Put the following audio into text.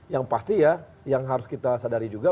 yang pasti ya yang harus kita sadari juga